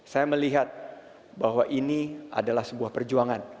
saya melihat bahwa ini adalah sebuah perjuangan